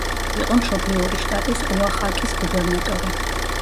იყო მშობლიური შტატის ოახაკის გუბერნატორი.